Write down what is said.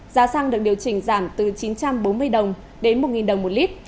giá xăng được điều chỉnh giảm từ chín trăm bốn mươi đồng đến một đồng một lít